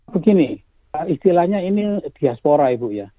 begini istilahnya ini diaspora ibu ya